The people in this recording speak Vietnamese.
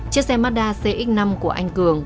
chiếc xe mazda cx năm của anh cường